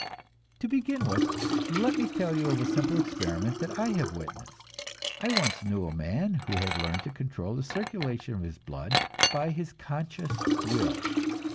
To begin with, let me tell you of a simple experiment that I have witnessed. I once knew a man who had learned to control the circulation of his blood by his conscious will.